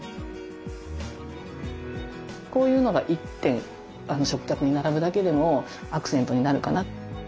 こういうのが１点食卓に並ぶだけでもアクセントになるかな。